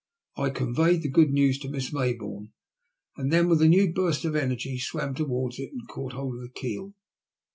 I conveyed the good news to Miss Maybourne, and then, with a new burst of energy, swam towards it and caught hold of the keel.